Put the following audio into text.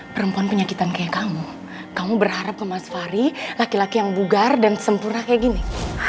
perempuan penyakitan kayak kamu kamu berharap ke mas fahri laki laki yang bugar dan sempurna kayak gini